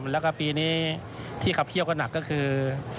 แล้วก็ปีนี้ที่เขาเที่ยวกันหนักก็คือ